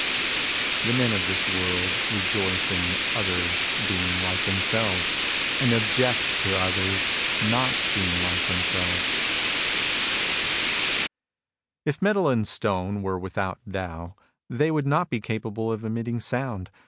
The men of this world all rejoice in others G 98 MUSINGS OF A CHINESE MYSTIC being like themselves, and object to others not being like themselves. If metal and stone were without Tao, they would not be capable of emitting sound.